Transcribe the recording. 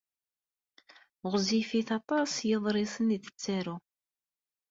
Ɣezzifit aṭas yeḍrisen i tettaru.